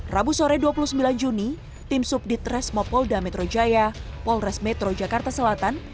rabu sore dua puluh sembilan juni tim subdit resmo polda metro jaya polres metro jakarta selatan